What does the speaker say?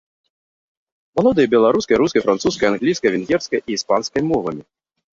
Валодае беларускай, рускай, французскай, англійскай, венгерскай і іспанскай мовамі.